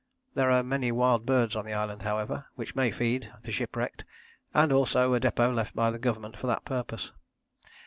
There are many wild birds on the island, however, which may feed the shipwrecked, and also a depôt left by the Government for that purpose.